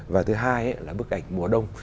và thứ hai là bức ảnh mùa đông